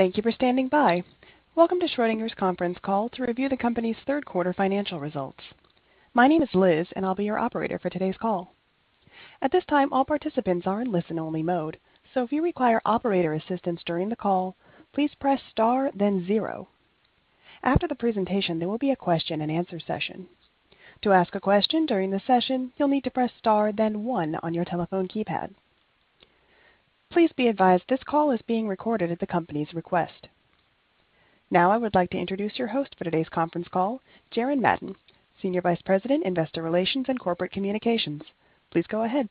Thank you for standing by. Welcome to Schrödinger's conference call to review the company's third quarter financial results. My name is Liz and I'll be your operator for today's call. At this time, all participants are in listen-only mode. If you require operator assistance during the call, please press star then zero. After the presentation, there will be a question and answer session. To ask a question during the session, you'll need to press star then one on your telephone keypad. Please be advised this call is being recorded at the company's request. Now I would like to introduce your host for today's conference call, Jaren Madden, Senior Vice President, Investor Relations and Corporate Communications. Please go ahead.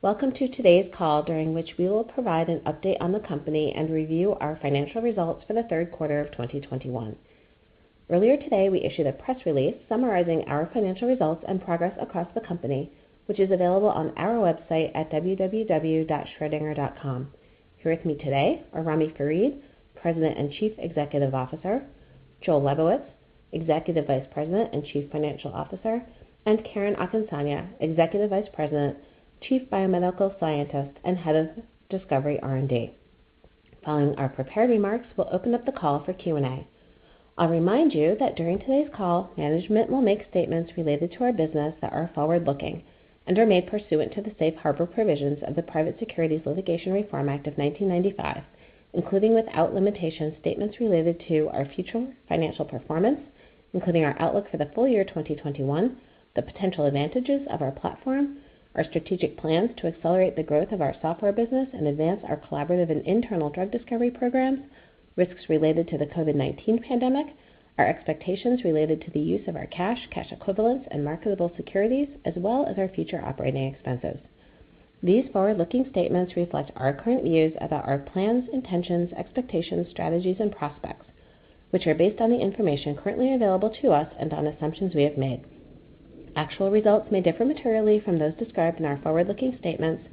Welcome to today's call, during which we will provide an update on the company and review our financial results for the third quarter of 2021. Earlier today, we issued a press release summarizing our financial results and progress across the company, which is available on our website at www.schrodinger.com. Here with me today are Ramy Farid, President and Chief Executive Officer, Joel Lebowitz, Executive Vice President and Chief Financial Officer, and Karen Akinsanya, Executive Vice President, Chief Biomedical Scientist, and Head of Discovery R&D. Following our prepared remarks, we'll open up the call for Q&A. I'll remind you that during today's call, management will make statements related to our business that are forward-looking and are made pursuant to the Safe Harbor provisions of the Private Securities Litigation Reform Act of 1995, including without limitation, statements related to our future financial performance, including our outlook for the full year 2021, the potential advantages of our platform, our strategic plans to accelerate the growth of our software business and advance our collaborative and internal drug discovery programs, risks related to the COVID-19 pandemic, our expectations related to the use of our cash equivalents, and marketable securities, as well as our future operating expenses. These forward-looking statements reflect our current views about our plans, intentions, expectations, strategies, and prospects, which are based on the information currently available to us and on assumptions we have made. Actual results may differ materially from those described in our forward-looking statements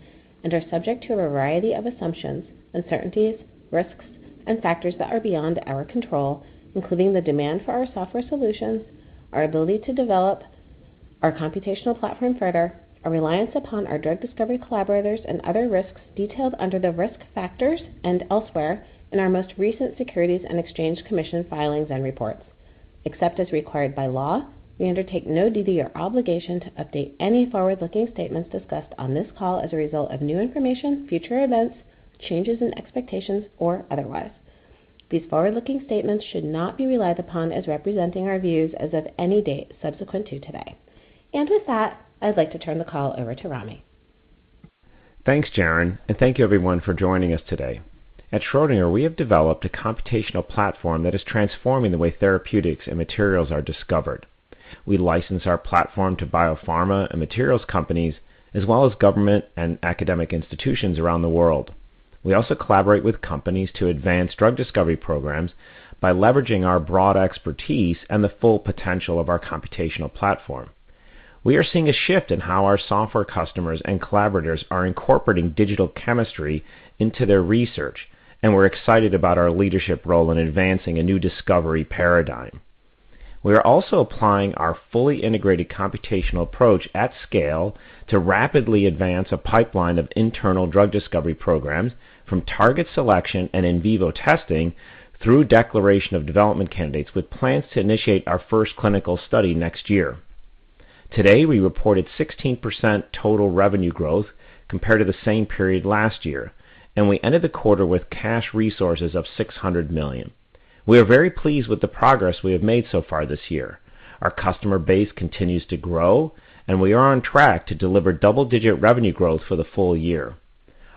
and are subject to a variety of assumptions, uncertainties, risks, and factors that are beyond our control, including the demand for our software solutions, our ability to develop our computational platform further, our reliance upon our drug discovery collaborators and other risks detailed under the risk factors and elsewhere in our most recent Securities and Exchange Commission filings and reports. Except as required by law, we undertake no duty or obligation to update any forward-looking statements discussed on this call as a result of new information, future events, changes in expectations, or otherwise. These forward-looking statements should not be relied upon as representing our views as of any date subsequent to today. With that, I'd like to turn the call over to Ramy. Thanks, Jaren, and thank you everyone for joining us today. At Schrödinger, we have developed a computational platform that is transforming the way therapeutics and materials are discovered. We license our platform to biopharma and materials companies, as well as government and academic institutions around the world. We also collaborate with companies to advance drug discovery programs by leveraging our broad expertise and the full potential of our computational platform. We are seeing a shift in how our software customers and collaborators are incorporating digital chemistry into their research, and we're excited about our leadership role in advancing a new discovery paradigm. We are also applying our fully integrated computational approach at scale to rapidly advance a pipeline of internal drug discovery programs from target selection and in vivo testing through declaration of development candidates with plans to initiate our first clinical study next year. Today, we reported 16% total revenue growth compared to the same period last year, and we ended the quarter with cash resources of $600 million. We are very pleased with the progress we have made so far this year. Our customer base continues to grow, and we are on track to deliver double-digit revenue growth for the full year.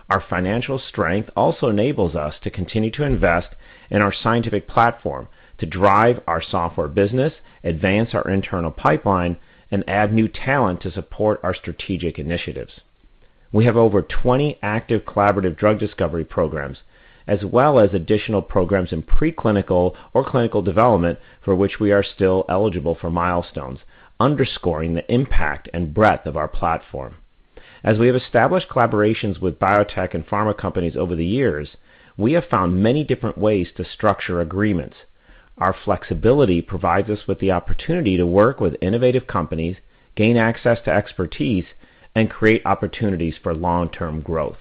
Our financial strength also enables us to continue to invest in our scientific platform to drive our software business, advance our internal pipeline, and add new talent to support our strategic initiatives. We have over 20 active collaborative drug discovery programs, as well as additional programs in preclinical or clinical development for which we are still eligible for milestones, underscoring the impact and breadth of our platform. As we have established collaborations with biotech and pharma companies over the years, we have found many different ways to structure agreements. Our flexibility provides us with the opportunity to work with innovative companies, gain access to expertise, and create opportunities for long-term growth.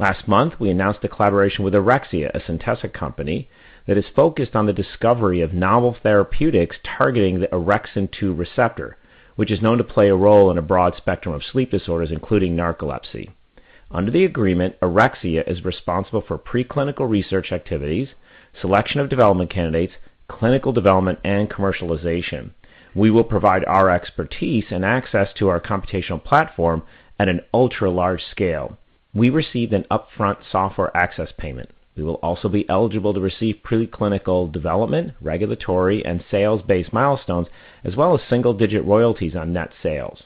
Last month, we announced a collaboration with Orexia, a Centessa company that is focused on the discovery of novel therapeutics targeting the orexin-2 receptor, which is known to play a role in a broad spectrum of sleep disorders, including narcolepsy. Under the agreement, Orexia is responsible for preclinical research activities, selection of development candidates, clinical development, and commercialization. We will provide our expertise and access to our computational platform at an ultra-large scale. We received an upfront software access payment. We will also be eligible to receive preclinical development, regulatory, and sales-based milestones, as well as single-digit royalties on net sales.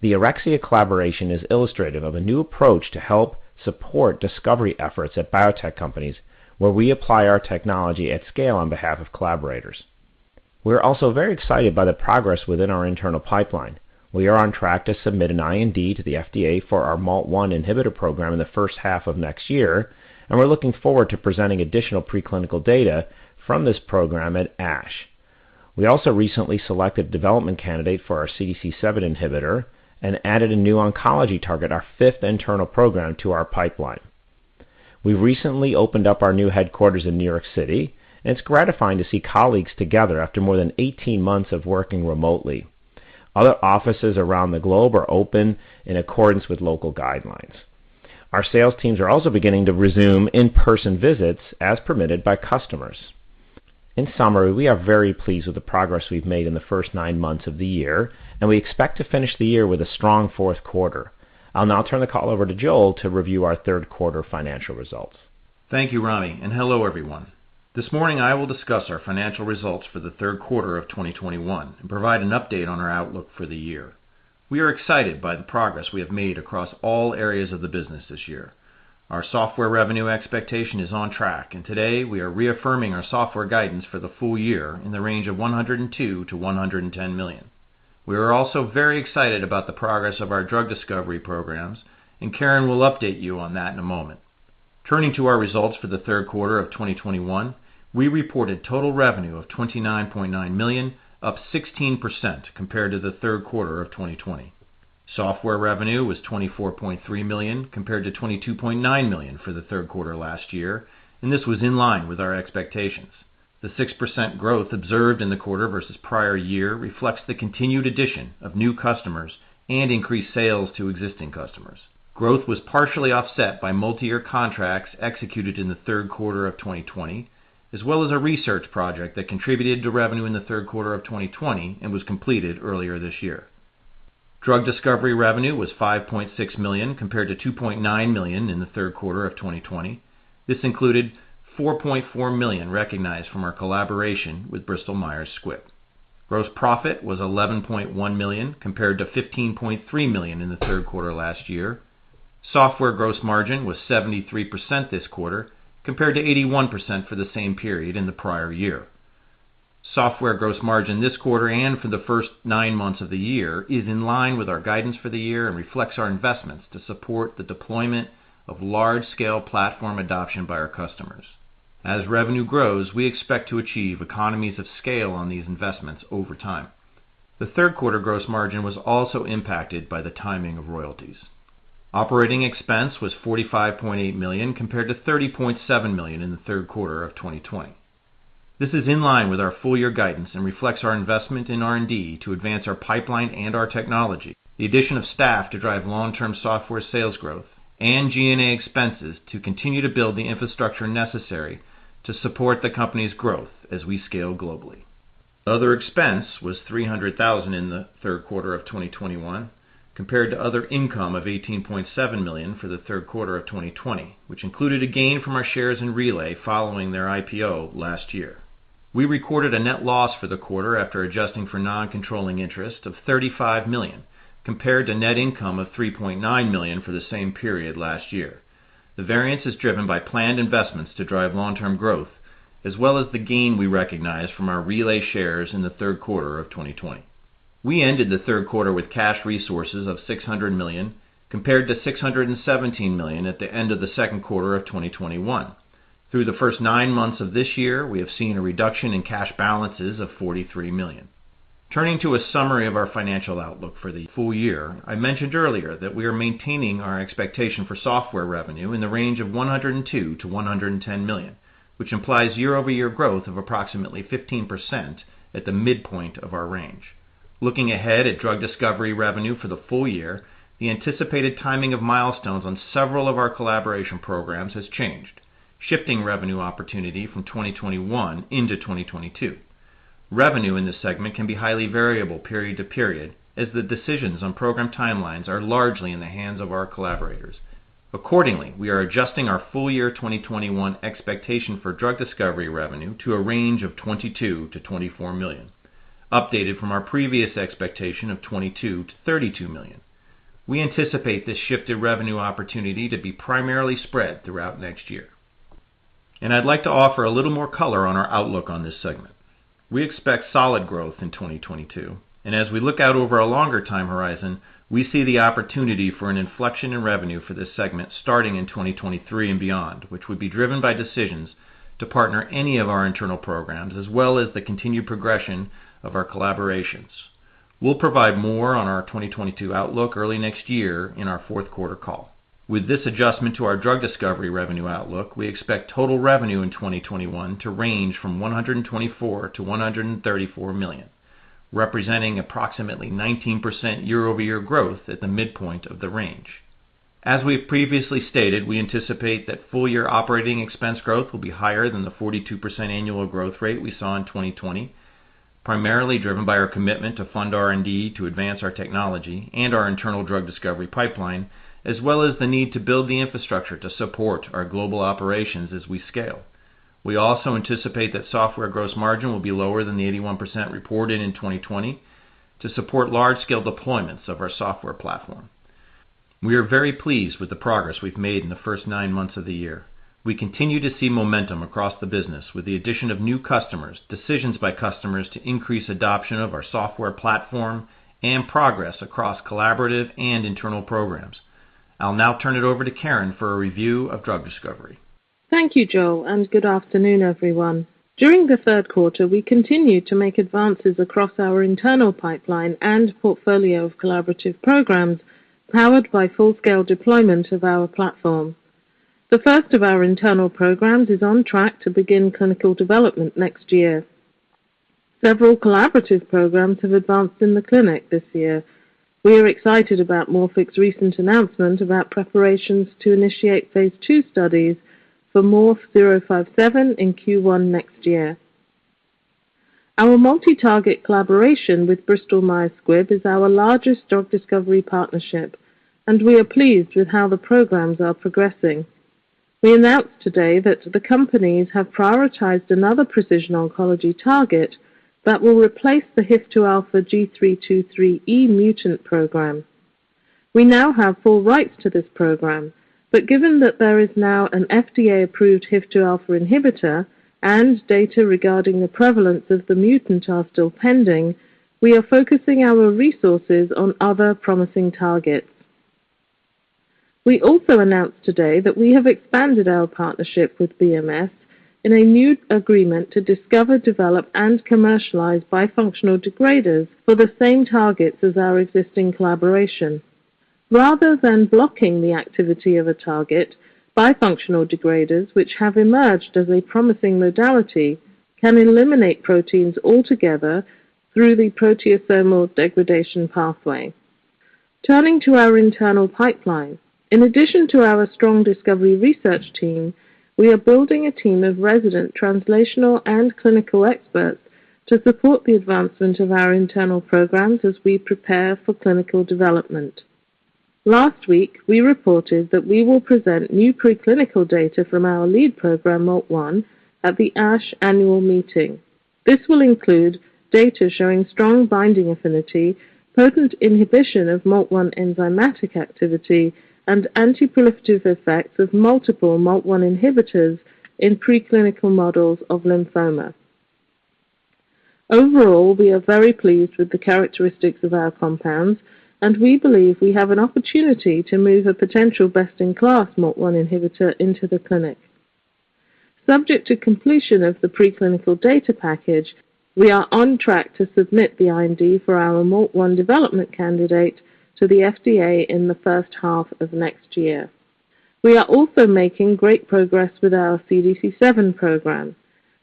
The Orexia collaboration is illustrative of a new approach to help support discovery efforts at biotech companies where we apply our technology at scale on behalf of collaborators. We are also very excited by the progress within our internal pipeline. We are on track to submit an IND to the FDA for our MALT1 inhibitor program in the first half of next year, and we're looking forward to presenting additional preclinical data from this program at ASH. We also recently selected a development candidate for our CDC7 inhibitor and added a new oncology target, our fifth internal program, to our pipeline. We recently opened up our new headquarters in New York City, and it's gratifying to see colleagues together after more than 18 months of working remotely. Other offices around the globe are open in accordance with local guidelines. Our sales teams are also beginning to resume in-person visits as permitted by customers. In summary, we are very pleased with the progress we've made in the first nine months of the year, and we expect to finish the year with a strong fourth quarter. I'll now turn the call over to Joel to review our third quarter financial results. Thank you, Ramy, and hello, everyone. This morning, I will discuss our financial results for the third quarter of 2021 and provide an update on our outlook for the year. We are excited by the progress we have made across all areas of the business this year. Our software revenue expectation is on track, and today we are reaffirming our software guidance for the full year in the range of $102 million-$110 million. We are also very excited about the progress of our drug discovery programs, and Karen will update you on that in a moment. Turning to our results for the third quarter of 2021, we reported total revenue of $29.9 million, up 16% compared to the third quarter of 2020. Software revenue was $24.3 million compared to $22.9 million for the third quarter last year, and this was in line with our expectations. The 6% growth observed in the quarter versus prior year reflects the continued addition of new customers and increased sales to existing customers. Growth was partially offset by multi-year contracts executed in the third quarter of 2020, as well as a research project that contributed to revenue in the third quarter of 2020 and was completed earlier this year. Drug discovery revenue was $5.6 million, compared to $2.9 million in the third quarter of 2020. This included $4.4 million recognized from our collaboration with Bristol Myers Squibb. Gross profit was $11.1 million compared to $15.3 million in the third quarter last year. Software gross margin was 73% this quarter compared to 81% for the same period in the prior year. Software gross margin this quarter and for the first nine months of the year is in line with our guidance for the year and reflects our investments to support the deployment of large-scale platform adoption by our customers. As revenue grows, we expect to achieve economies of scale on these investments over time. The third quarter gross margin was also impacted by the timing of royalties. Operating expense was $45.8 million compared to $30.7 million in the third quarter of 2020. This is in line with our full year guidance and reflects our investment in R&D to advance our pipeline and our technology. The addition of staff to drive long-term software sales growth and G&A expenses to continue to build the infrastructure necessary to support the company's growth as we scale globally. Other expense was $300,000 in the third quarter of 2021 compared to other income of $18.7 million for the third quarter of 2020, which included a gain from our shares in Relay following their IPO last year. We recorded a net loss for the quarter after adjusting for non-controlling interest of $35 million, compared to net income of $3.9 million for the same period last year. The variance is driven by planned investments to drive long-term growth as well as the gain we recognized from our Relay shares in the third quarter of 2020. We ended the third quarter with cash resources of $600 million compared to $617 million at the end of the second quarter of 2021. Through the first nine months of this year, we have seen a reduction in cash balances of $43 million. Turning to a summary of our financial outlook for the full year, I mentioned earlier that we are maintaining our expectation for software revenue in the range of $102 million-$110 million, which implies year-over-year growth of approximately 15% at the midpoint of our range. Looking ahead at drug discovery revenue for the full year, the anticipated timing of milestones on several of our collaboration programs has changed, shifting revenue opportunity from 2021 into 2022. Revenue in this segment can be highly variable period to period, as the decisions on program timelines are largely in the hands of our collaborators. Accordingly, we are adjusting our full year 2021 expectation for drug discovery revenue to a range of $22 million-$24 million, updated from our previous expectation of $22 million-$32 million. We anticipate this shift in revenue opportunity to be primarily spread throughout next year. I'd like to offer a little more color on our outlook on this segment. We expect solid growth in 2022. As we look out over a longer time horizon, we see the opportunity for an inflection in revenue for this segment starting in 2023 and beyond, which would be driven by decisions to partner any of our internal programs as well as the continued progression of our collaborations. We'll provide more on our 2022 outlook early next year in our fourth quarter call. With this adjustment to our drug discovery revenue outlook, we expect total revenue in 2021 to range from $124 million-$134 million, representing approximately 19% year-over-year growth at the midpoint of the range. We anticipate that full year operating expense growth will be higher than the 42% annual growth rate we saw in 2020, primarily driven by our commitment to fund R&D to advance our technology and our internal drug discovery pipeline, as well as the need to build the infrastructure to support our global operations as we scale. We also anticipate that software gross margin will be lower than the 81% reported in 2020 to support large-scale deployments of our software platform. We are very pleased with the progress we've made in the first nine months of the year. We continue to see momentum across the business with the addition of new customers, decisions by customers to increase adoption of our software platform, and progress across collaborative and internal programs. I'll now turn it over to Karen for a review of drug discovery. Thank you, Joel, and good afternoon, everyone. During the third quarter, we continued to make advances across our internal pipeline and portfolio of collaborative programs powered by full-scale deployment of our platform. The first of our internal programs is on track to begin clinical development next year. Several collaborative programs have advanced in the clinic this year. We are excited about Morphic's recent announcement about preparations to initiate phase II studies for MORF-057 in Q1 next year. Our multi-target collaboration with Bristol Myers Squibb is our largest drug discovery partnership, and we are pleased with how the programs are progressing. We announced today that the companies have prioritized another precision oncology target that will replace the HIF-2α G323E mutant program. We now have full rights to this program, but given that there is now an FDA-approved HIF-2 alpha inhibitor and data regarding the prevalence of the mutant are still pending, we are focusing our resources on other promising targets. We also announced today that we have expanded our partnership with BMS in a new agreement to discover, develop, and commercialize bifunctional degraders for the same targets as our existing collaboration. Rather than blocking the activity of a target, bifunctional degraders, which have emerged as a promising modality, can eliminate proteins altogether through the proteasomal degradation pathway. Turning to our internal pipeline. In addition to our strong discovery research team, we are building a team of resident translational and clinical experts to support the advancement of our internal programs as we prepare for clinical development. Last week, we reported that we will present new preclinical data from our lead program, MALT1, at the ASH annual meeting. This will include data showing strong binding affinity, potent inhibition of MALT1 enzymatic activity, and antiproliferative effects of multiple MALT1 inhibitors in preclinical models of lymphoma. Overall, we are very pleased with the characteristics of our compounds, and we believe we have an opportunity to move a potential best-in-class MALT1 inhibitor into the clinic. Subject to completion of the preclinical data package, we are on track to submit the IND for our MALT1 development candidate to the FDA in the first half of next year. We are also making great progress with our CDC7 program.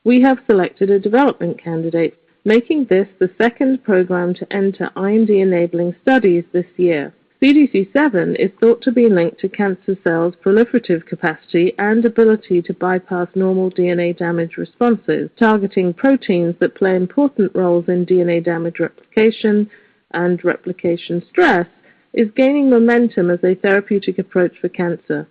We have selected a development candidate, making this the second program to enter IND-enabling studies this year. CDC7 is thought to be linked to cancer cells' proliferative capacity and ability to bypass normal DNA damage responses. Targeting proteins that play important roles in DNA damage replication and replication stress is gaining momentum as a therapeutic approach for cancer.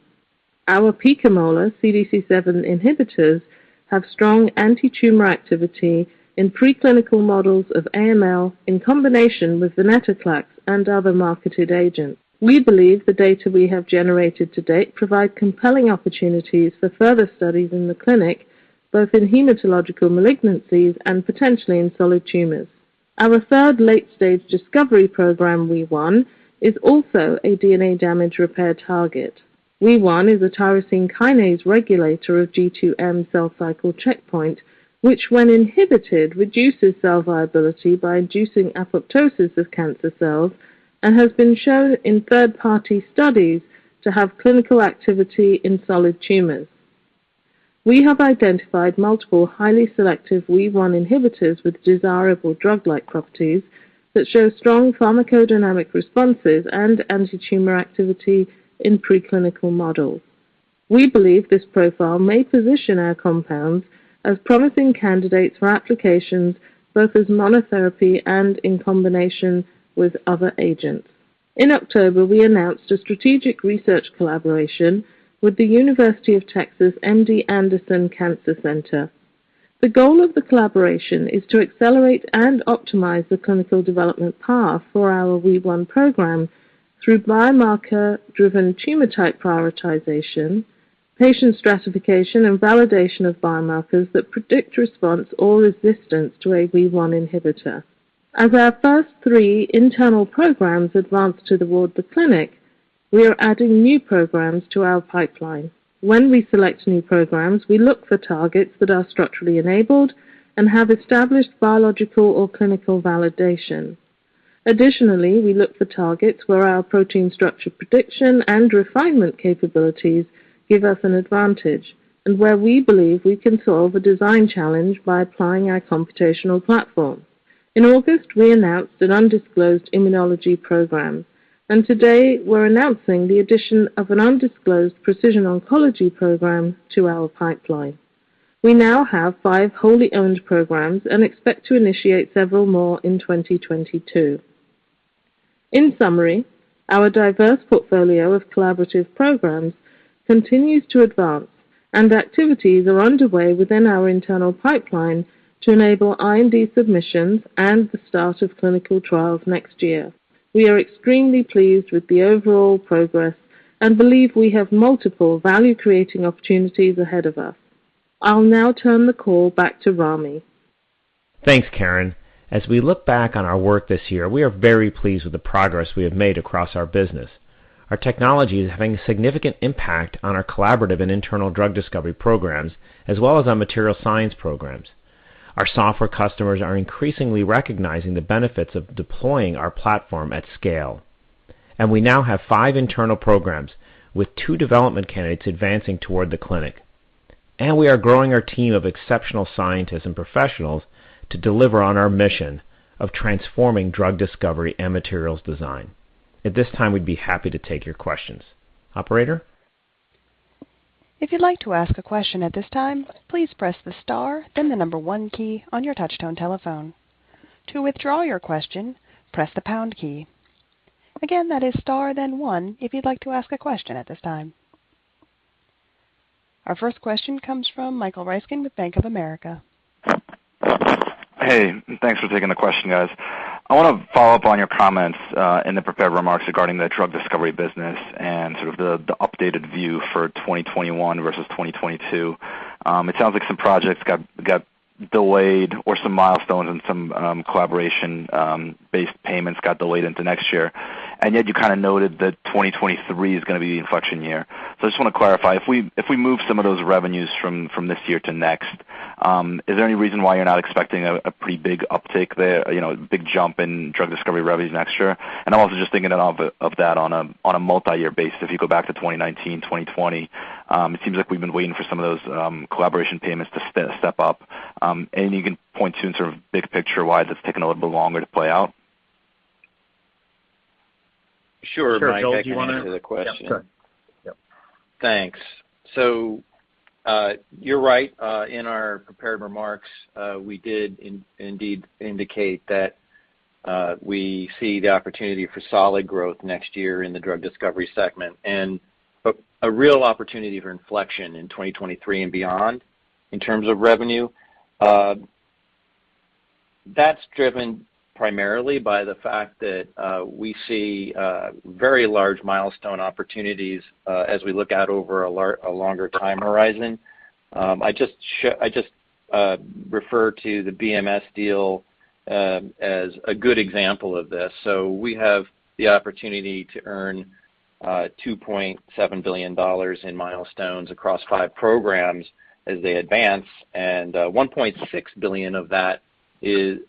Our picomolar CDC7 inhibitors have strong antitumor activity in preclinical models of AML in combination with venetoclax and other marketed agents. We believe the data we have generated to date provide compelling opportunities for further studies in the clinic, both in hematological malignancies and potentially in solid tumors. Our third late-stage discovery program, WEE1, is also a DNA damage repair target. WEE1 is a tyrosine kinase regulator of G2/M cell cycle checkpoint, which when inhibited, reduces cell viability by inducing apoptosis of cancer cells and has been shown in third-party studies to have clinical activity in solid tumors. We have identified multiple highly selective WEE1 inhibitors with desirable drug-like properties that show strong pharmacodynamic responses and antitumor activity in preclinical models. We believe this profile may position our compounds as promising candidates for applications both as monotherapy and in combination with other agents. In October, we announced a strategic research collaboration with The University of Texas MD Anderson Cancer Center. The goal of the collaboration is to accelerate and optimize the clinical development path for our WEE1 program through biomarker-driven tumor type prioritization, patient stratification, and validation of biomarkers that predict response or resistance to a WEE1 inhibitor. As our first three internal programs advance toward the clinic, we are adding new programs to our pipeline. When we select new programs, we look for targets that are structurally enabled and have established biological or clinical validation. Additionally, we look for targets where our protein structure prediction and refinement capabilities give us an advantage and where we believe we can solve a design challenge by applying our computational platform. In August, we announced an undisclosed immunology program, and today, we're announcing the addition of an undisclosed precision oncology program to our pipeline. We now have five wholly owned programs and expect to initiate several more in 2022. In summary, our diverse portfolio of collaborative programs continues to advance, and activities are underway within our internal pipeline to enable IND submissions and the start of clinical trials next year. We are extremely pleased with the overall progress and believe we have multiple value-creating opportunities ahead of us. I'll now turn the call back to Ramy. Thanks, Karen. As we look back on our work this year, we are very pleased with the progress we have made across our business. Our technology is having a significant impact on our collaborative and internal drug discovery programs, as well as our material science programs. Our software customers are increasingly recognizing the benefits of deploying our platform at scale. We now have five internal programs with two development candidates advancing toward the clinic. We are growing our team of exceptional scientists and professionals to deliver on our mission of transforming drug discovery and materials design. At this time, we'd be happy to take your questions. Operator? Our first question comes from Michael Ryskin with Bank of America. Hey, thanks for taking the question, guys. I wanna follow up on your comments in the prepared remarks regarding the drug discovery business and sort of the updated view for 2021 versus 2022. It sounds like some projects got delayed or some milestones and some collaboration based payments got delayed into next year. Yet you kinda noted that 2023 is gonna be the inflection year. I just wanna clarify, if we move some of those revenues from this year to next, is there any reason why you're not expecting a pretty big uptick there, you know, big jump in drug discovery revenues next year? I'm also just thinking of that on a multi-year basis. If you go back to 2019, 2020, it seems like we've been waiting for some of those, collaboration payments to step up. Anything you can point to in sort of big picture wise that's taking a little bit longer to play out? Sure, Mike. I can answer the question. Sure, Joe. Yeah, sure. Yep. Thanks. You're right. In our prepared remarks, we did indeed indicate that we see the opportunity for solid growth next year in the drug discovery segment and a real opportunity for inflection in 2023 and beyond in terms of revenue. That's driven primarily by the fact that we see very large milestone opportunities as we look out over a longer time horizon. I just refer to the BMS deal as a good example of this. We have the opportunity to earn $2.7 billion in milestones across five programs as they advance, and $1.6 billion of that is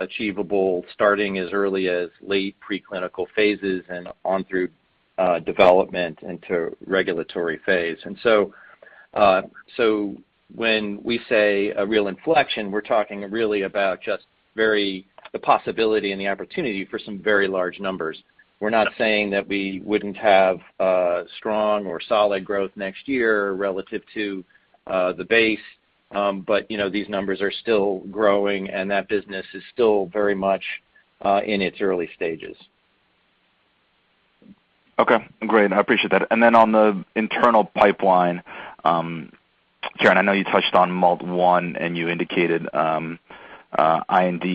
achievable starting as early as late preclinical phases and on through development into regulatory phase. When we say a real inflection, we're talking really about just very the possibility and the opportunity for some very large numbers. We're not saying that we wouldn't have strong or solid growth next year relative to the base. You know, these numbers are still growing, and that business is still very much in its early stages. Okay, great. I appreciate that. Then on the internal pipeline, Karen, I know you touched on MALT1, and you indicated IND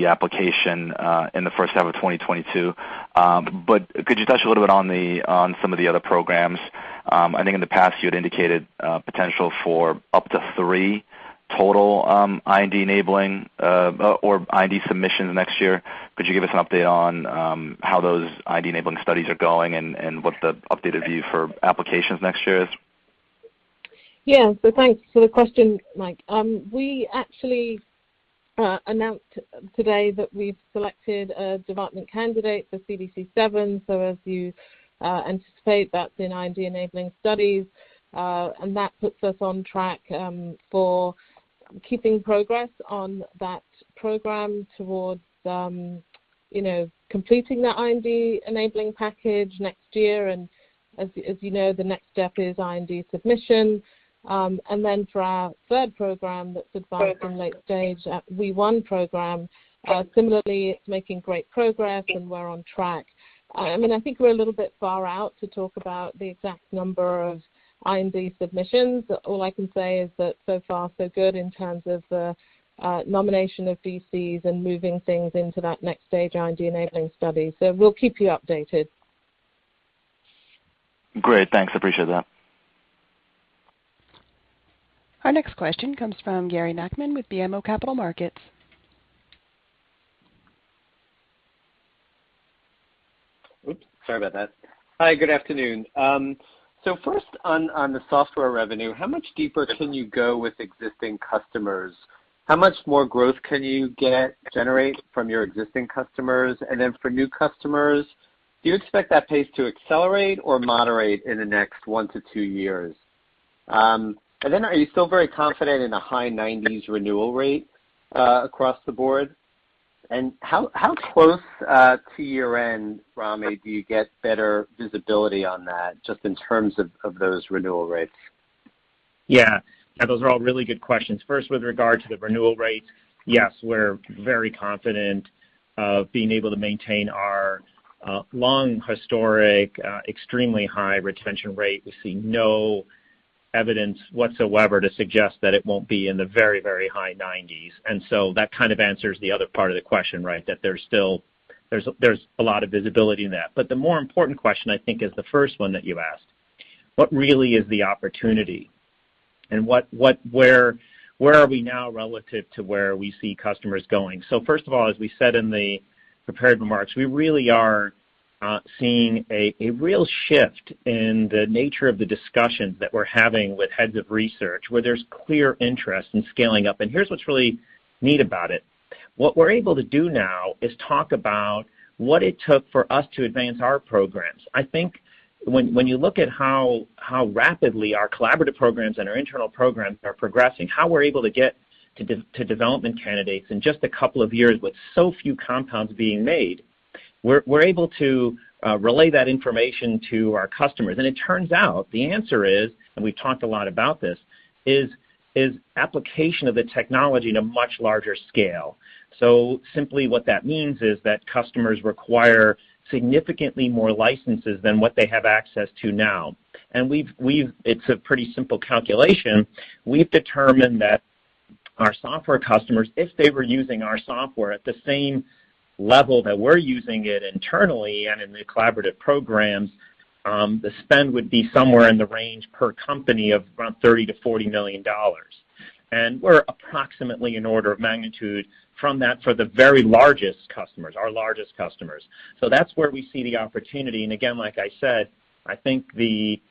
application in the first half of 2022. Could you touch a little bit on some of the other programs? I think in the past you had indicated potential for up to three total IND-enabling or IND submissions next year. Could you give us an update on how those IND-enabling studies are going and what the updated view for applications next year is? Yeah. Thanks for the question, Mike. We actually announced today that we've selected a development candidate for CDC7. As you anticipate, that's in IND-enabling studies. That puts us on track for making progress on that program towards, you know, completing that IND-enabling package next year. As you know, the next step is IND submission. For our third program that's advancing late-stage WEE1 program, similarly it's making great progress and we're on track. I mean, I think we're a little bit far out to talk about the exact number of IND submissions. All I can say is that so far so good in terms of the nomination of DCs and moving things into that next stage IND-enabling study. We'll keep you updated. Great. Thanks. I appreciate that. Our next question comes from Gary Nachman with BMO Capital Markets. Oops, sorry about that. Hi, good afternoon. First on the software revenue, how much deeper can you go with existing customers? How much more growth can you generate from your existing customers? For new customers, do you expect that pace to accelerate or moderate in the next one to two years? Are you still very confident in the high 90s renewal rate across the board? How close to your end, Ramy, do you get better visibility on that, just in terms of those renewal rates? Yeah. Those are all really good questions. First, with regard to the renewal rates, yes, we're very confident of being able to maintain our long historic extremely high retention rate. We see no evidence whatsoever to suggest that it won't be in the very, very high nineties. That kind of answers the other part of the question, right? That there's still a lot of visibility in that. The more important question, I think, is the first one that you asked. What really is the opportunity and what where are we now relative to where we see customers going? First of all, as we said in the prepared remarks, we really are seeing a real shift in the nature of the discussions that we're having with heads of research, where there's clear interest in scaling up. Here's what's really neat about it. What we're able to do now is talk about what it took for us to advance our programs. I think when you look at how rapidly our collaborative programs and our internal programs are progressing, how we're able to get to development candidates in just a couple of years with so few compounds being made, we're able to relay that information to our customers. It turns out the answer is, and we've talked a lot about this, application of the technology in a much larger scale. Simply what that means is that customers require significantly more licenses than what they have access to now. It's a pretty simple calculation. We've determined that our software customers, if they were using our software at the same level that we're using it internally and in the collaborative programs, the spend would be somewhere in the range per company of around $30 million-$40 million. We're approximately an order of magnitude from that for the very largest customers, our largest customers. That's where we see the opportunity. Again, like I said, I think the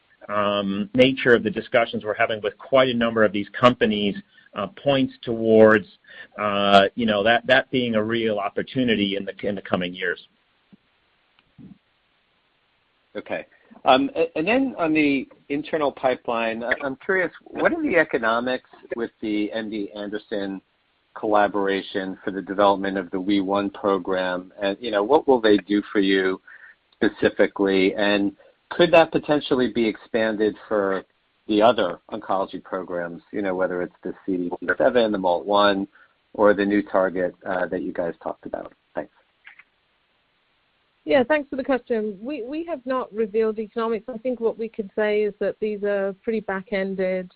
nature of the discussions we're having with quite a number of these companies points towards you know that being a real opportunity in the coming years. On the internal pipeline, I'm curious, what are the economics with the MD Anderson collaboration for the development of the WEE1 program? You know, what will they do for you specifically? Could that potentially be expanded for the other oncology programs, you know, whether it's the CDC7, the MALT1, or the new target that you guys talked about? Thanks. Yeah. Thanks for the question. We have not revealed economics. I think what we could say is that these are pretty back-ended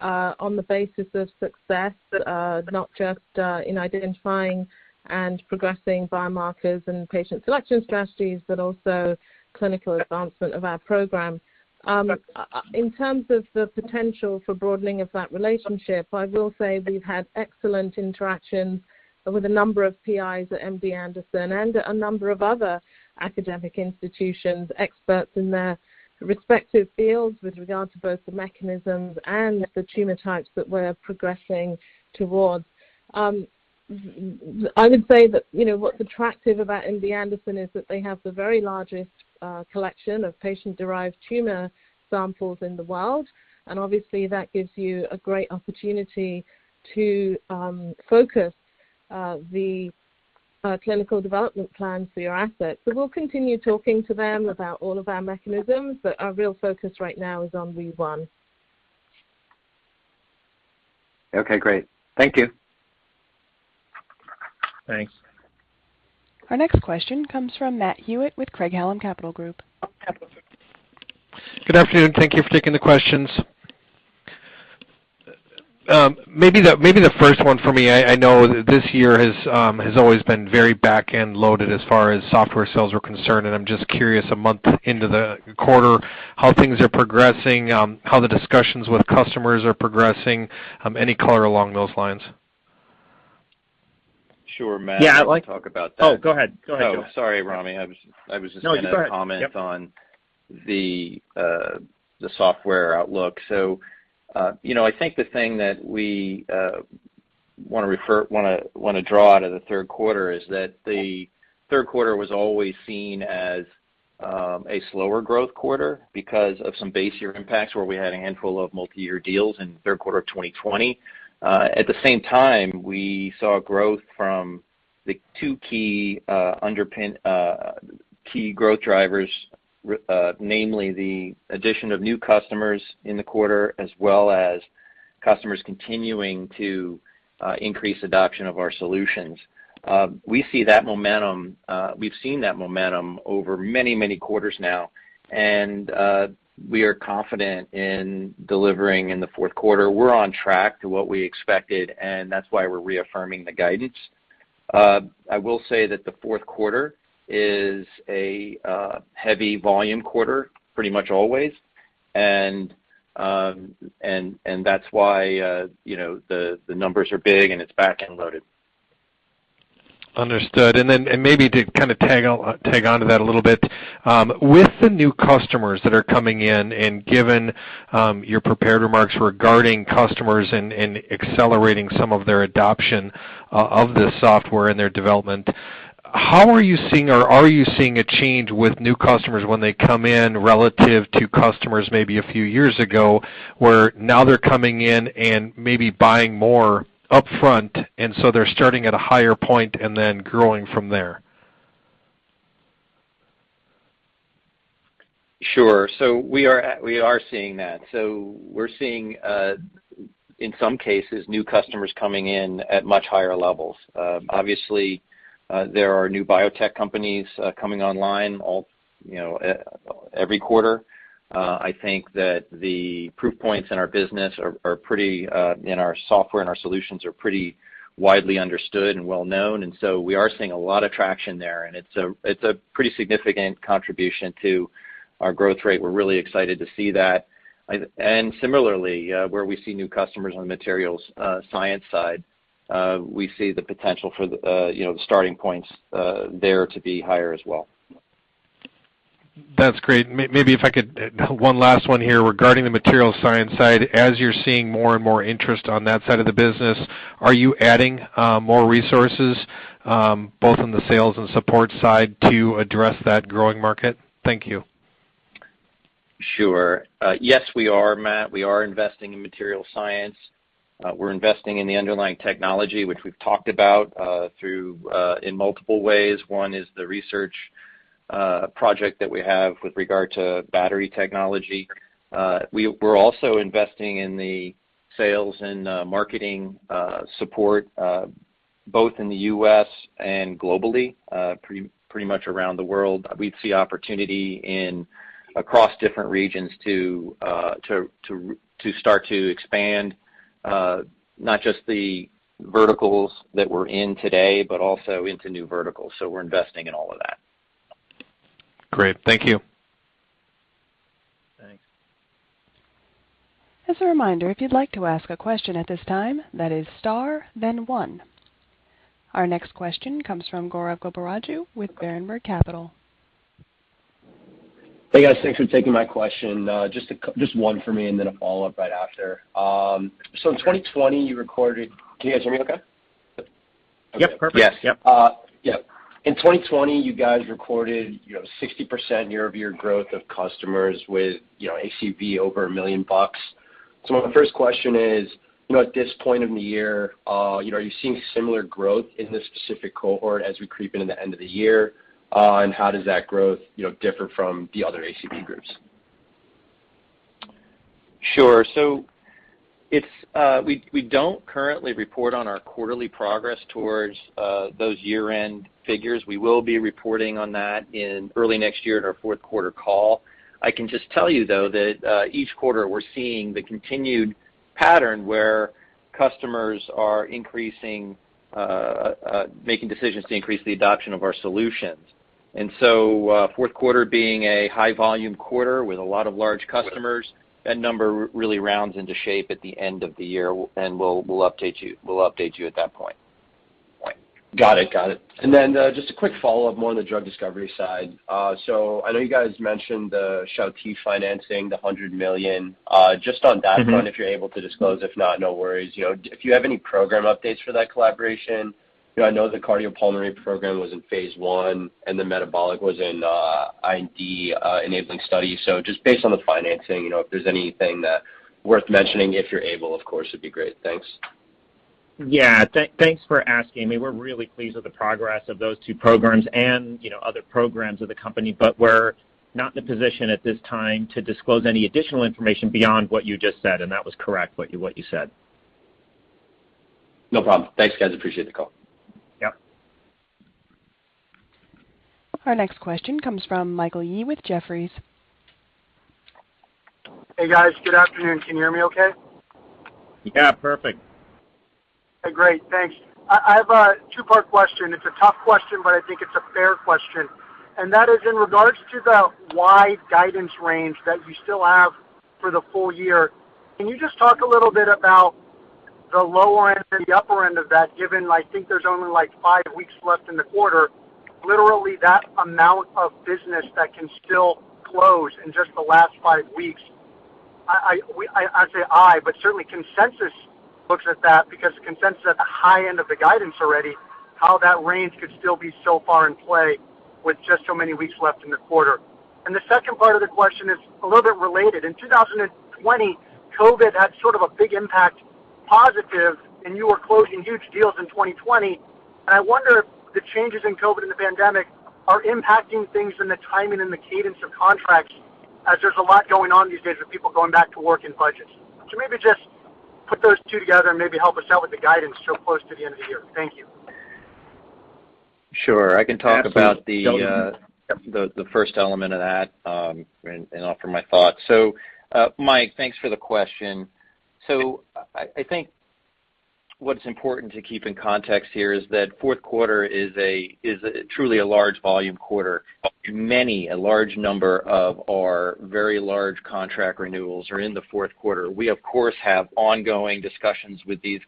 on the basis of success, not just in identifying and progressing biomarkers and patient selection strategies, but also clinical advancement of our program. In terms of the potential for broadening of that relationship, I will say we've had excellent interactions with a number of PIs at MD Anderson and a number of other academic institutions, experts in their respective fields with regard to both the mechanisms and the tumor types that we're progressing towards. I would say that, you know, what's attractive about MD Anderson is that they have the very largest collection of patient-derived tumor samples in the world. Obviously, that gives you a great opportunity to focus the clinical development plan for your assets. We'll continue talking to them about all of our mechanisms, but our real focus right now is on WEE1. Okay, great. Thank you. Thanks. Our next question comes from Matt Hewitt with Craig-Hallum Capital Group. Good afternoon. Thank you for taking the questions. Maybe the first one for me, I know this year has always been very back-end loaded as far as software sales are concerned, and I'm just curious a month into the quarter how things are progressing, how the discussions with customers are progressing, any color along those lines? Sure, Matt. I can talk about that. Oh, go ahead. Go ahead. Sorry, Ramy. I was just gonna comment. No, you're all right. Yep on the software outlook. You know, I think the thing that we wanna draw out of the third quarter is that the third quarter was always seen as a slower growth quarter because of some base year impacts where we had a handful of multi-year deals in third quarter of 2020. At the same time, we saw growth from the two key growth drivers, namely the addition of new customers in the quarter, as well as customers continuing to increase adoption of our solutions. We see that momentum. We've seen that momentum over many quarters now, and we are confident in delivering in the fourth quarter. We're on track to what we expected, and that's why we're reaffirming the guidance. I will say that the fourth quarter is a heavy volume quarter pretty much always and that's why, you know, the numbers are big and it's back-end loaded. Understood. Maybe to kinda tag onto that a little bit, with the new customers that are coming in, and given your prepared remarks regarding customers and accelerating some of their adoption of the software and their development, how are you seeing or are you seeing a change with new customers when they come in relative to customers maybe a few years ago, where now they're coming in and maybe buying more upfront, and so they're starting at a higher point and then growing from there? Sure. We are seeing that. We're seeing, in some cases, new customers coming in at much higher levels. Obviously, there are new biotech companies coming online all, you know, every quarter. I think that the proof points in our business are pretty in our software and our solutions are pretty widely understood and well known. We are seeing a lot of traction there, and it's a pretty significant contribution to our growth rate. We're really excited to see that. Similarly, where we see new customers on the materials science side, we see the potential for the, you know, the starting points there to be higher as well. That's great. Maybe if I could, one last one here regarding the materials science side. As you're seeing more and more interest on that side of the business, are you adding more resources, both on the sales and support side to address that growing market? Thank you. Sure. Yes, we are, Matt. We are investing in materials science. We're investing in the underlying technology, which we've talked about through, in multiple ways. One is the research project that we have with regard to battery technology. We're also investing in the sales and marketing support both in the U.S. and globally, pretty much around the world. We see opportunity across different regions to start to expand not just the verticals that we're in today, but also into new verticals. We're investing in all of that. Great. Thank you. Thanks. As a reminder, if you'd like to ask a question at this time, that is star then one. Our next question comes from Gaurav Goparaju with Berenberg Capital. Hey, guys. Thanks for taking my question. Just one for me and then a follow-up right after. In 2020, you recorded. Can you guys hear me okay? Yep, perfect. Yes. Yep. Yeah. In 2020, you guys recorded, you know, 60% year-over-year growth of customers with, you know, ACV over $1 million. My first question is, you know, at this point in the year, you know, are you seeing similar growth in this specific cohort as we creep into the end of the year? And how does that growth, you know, differ from the other ACV groups? Sure. We don't currently report on our quarterly progress towards those year-end figures. We will be reporting on that in early next year at our fourth quarter call. I can just tell you, though, that each quarter we're seeing the continued pattern where customers are increasing, making decisions to increase the adoption of our solutions, fourth quarter being a high volume quarter with a lot of large customers, that number really rounds into shape at the end of the year, and we'll update you at that point. Got it. Just a quick follow-up more on the drug discovery side. I know you guys mentioned the XtalPi financing, $100 million. Just on that front. Mm-hmm. If you're able to disclose, if not, no worries. You know, if you have any program updates for that collaboration. You know, I know the cardiopulmonary program was in phase I, and the metabolic was in IND-enabling study. So just based on the financing, you know, if there's anything that's worth mentioning, if you're able, of course, it'd be great. Thanks. Yeah. Thanks for asking. I mean, we're really pleased with the progress of those two programs and, you know, other programs of the company, but we're not in a position at this time to disclose any additional information beyond what you just said, and that was correct, what you said. No problem. Thanks, guys. I appreciate the call. Yep. Our next question comes from Michael Yee with Jefferies. Hey, guys. Good afternoon. Can you hear me okay? Yeah, perfect. Great. Thanks. I have a two-part question. It's a tough question, but I think it's a fair question. That is in regards to the wide guidance range that you still have for the full year, can you just talk a little bit about the lower end and the upper end of that, given I think there's only, like, five weeks left in the quarter, literally that amount of business that can still close in just the last five weeks. I say, but certainly consensus looks at that because the consensus is at the high end of the guidance already, how that range could still be so far in play with just so many weeks left in the quarter. The second part of the question is a little bit related. In 2020, COVID had sort of a big impact, positive, and you were closing huge deals in 2020. I wonder if the changes in COVID and the pandemic are impacting things in the timing and the cadence of contracts as there's a lot going on these days with people going back to work and budgets. Maybe just put those two together and maybe help us out with the guidance so close to the end of the year. Thank you. Sure. I can talk about. Absolutely. The first element of that and offer my thoughts. Mike, thanks for the question. I think what's important to keep in context here is that fourth quarter is truly a large volume quarter. A large number of our very large contract renewals are in the fourth quarter. We, of course, have ongoing discussions with these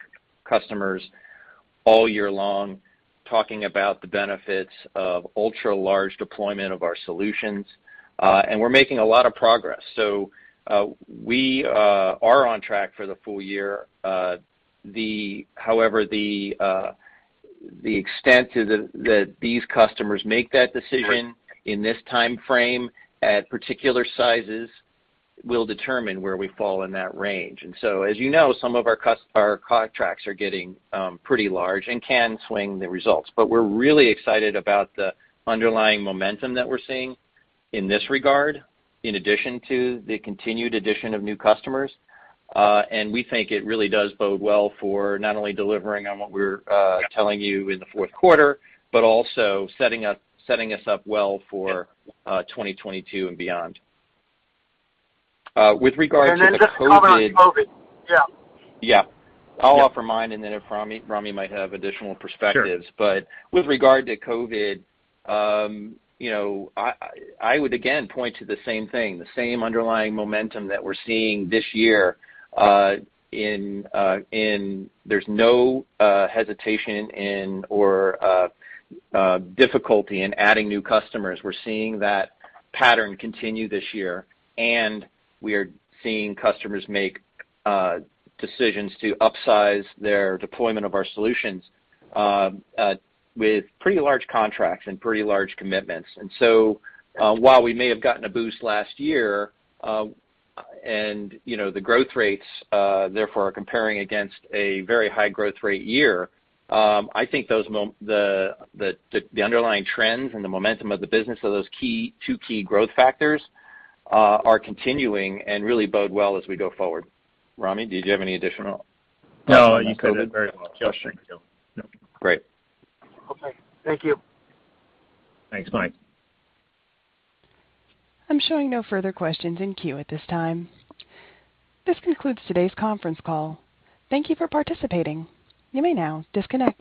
customers all year long, talking about the benefits of ultra-large deployment of our solutions, and we're making a lot of progress. We are on track for the full year. However, the extent that these customers make that decision in this timeframe at particular sizes will determine where we fall in that range. As you know, some of our contracts are getting pretty large and can swing the results. We're really excited about the underlying momentum that we're seeing in this regard, in addition to the continued addition of new customers. We think it really does bode well for not only delivering on what we're telling you in the fourth quarter, but also setting us up well for 2022 and beyond. With regards to the COVID- Just to follow on COVID. Yeah. Yeah. I'll offer mine, and then if Ramy might have additional perspectives. Sure. With regard to COVID, you know, I would again point to the same thing, the same underlying momentum that we're seeing this year, in there's no hesitation and/or difficulty in adding new customers. We're seeing that pattern continue this year, and we are seeing customers make decisions to upsize their deployment of our solutions, with pretty large contracts and pretty large commitments. While we may have gotten a boost last year, and, you know, the growth rates therefore are comparing against a very high growth rate year, I think those the underlying trends and the momentum of the business of those key, two key growth factors are continuing and really bode well as we go forward. Ramy, did you have any additional thoughts on COVID question? No, you said it very well, Joel. Thank you, Joel. Great. Okay. Thank you. Thanks, Mike. I'm showing no further questions in queue at this time. This concludes today's conference call. Thank you for participating. You may now disconnect.